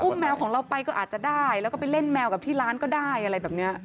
อุ้มแมวของเราไปก็อาจจะได้แล้วก็ไปเล่นแมวกับที่ร้านก็ได้